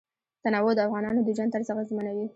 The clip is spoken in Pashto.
تنوع د افغانانو د ژوند طرز اغېزمنوي.